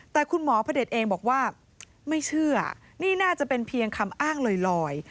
แต่คุณหมอพระเด็จเองบอกว่าไม่เชื่อนี่น่าจะเป็นเพียงคำอ้างลอย